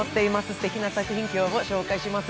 すてきな作品、今日も紹介します。